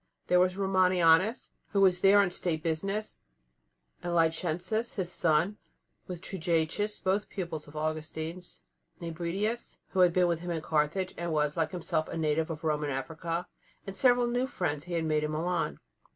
There was Romanianus, who was there on State business, and Licentius, his son, with Trigetius, both pupils of Augustine's; Nebridius, who had been with him in Carthage, and was, like himself, a native of Roman Africa; and several new friends he had made in Milan.